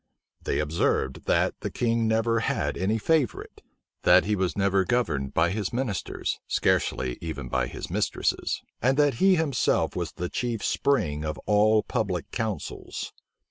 They observed, that the king never had any favorite; that he was never governed by his ministers, scarcely even by his mistresses; and that he himself was the chief spring of all public counsels.